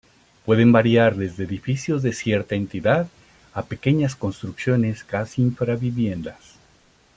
Pueden variar desde edificios de cierta entidad, a pequeñas construcciones casi infra-viviendas.